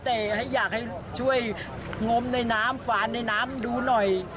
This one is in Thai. แต่อยากให้ช่วยงมในน้ำฝานในน้ำดูหน่อย